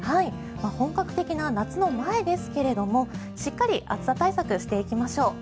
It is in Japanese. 本格的な夏の前ですがしっかり暑さ対策をしていきましょう。